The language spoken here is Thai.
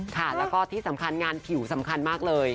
ค่ะแล้วก็ที่สำคัญงานผิวสำคัญมากเลย